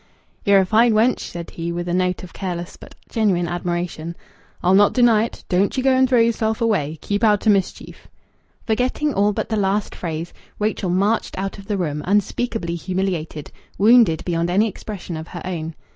"Ye're a fine wench," said he, with a note of careless but genuine admiration. "I'll not deny it. Don't ye go and throw yerself away. Keep out o' mischief." Forgetting all but the last phrase, Rachel marched out of the room, unspeakably humiliated, wounded beyond any expression of her own.